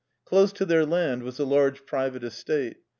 Close to their land was a large private estate.